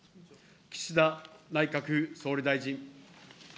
岸田内閣総理大臣。